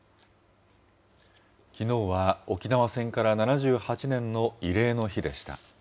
きのうは、沖縄戦から７８年の慰霊の日でした。